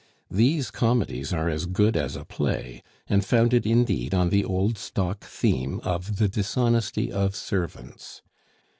These comedies are as good as a play, and founded indeed on the old stock theme of the dishonesty of servants.